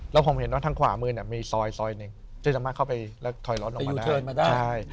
แล้วผมเห็นว่าทางขวามือเนี่ยมีซอยหนึ่งที่สามารถเข้าไปแล้วถอยรถออกมาได้